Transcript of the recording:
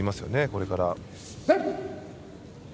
これから。